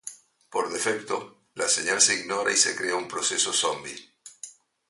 Por defecto, la señal se ignora y se crea un proceso zombie.